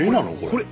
これ。